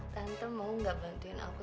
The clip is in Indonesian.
tante mau gak bantuin aku